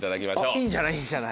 いいんじゃない？